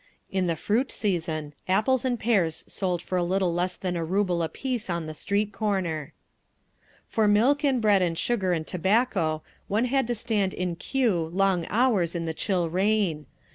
In the fruit season apples and pears sold for a little less than a ruble apiece on the street corner…. For milk and bread and sugar and tobacco one had to stand in queue long hours in the chill rain.